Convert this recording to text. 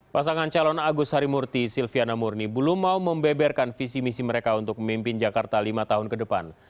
pasangan calon agus harimurti silviana murni belum mau membeberkan visi misi mereka untuk memimpin jakarta lima tahun ke depan